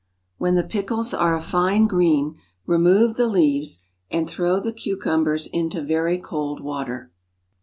When the pickles are a fine green, remove the leaves and throw the cucumbers into very cold water.